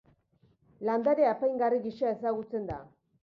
Landare apaingarri gisa ezagutzen da.